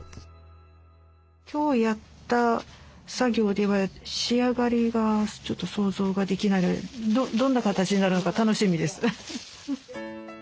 今日やった作業では仕上がりがちょっと想像ができないのでどんな形になるのか楽しみです。